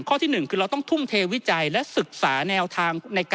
ที่๑คือเราต้องทุ่มเทวิจัยและศึกษาแนวทาง